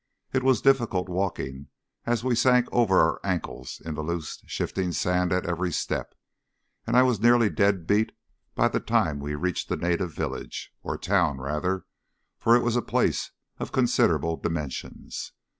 It was difficult walking, as we sank over our ankles into the loose, shifting sand at every step, and I was nearly dead beat by the time we reached the native village, or town rather, for it was a place of considerable dimensions.